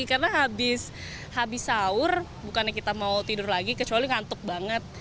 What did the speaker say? karena habis sahur bukannya kita mau tidur lagi kecuali ngantuk banget